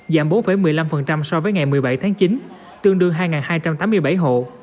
giảm bốn một mươi năm so với ngày một mươi bảy tháng chín tương đương hai hai trăm tám mươi bảy hộ